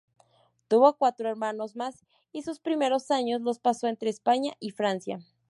Tuvo cuatro hermanos más, y sus primeros años los pasó entre España y Francia.